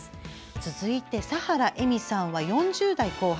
続いて砂原江見さんは４０代後半。